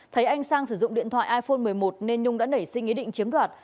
thấy anh sang sử dụng điện thoại iphone một mươi một nên nhung đã nảy sinh ý định chiếm đoạt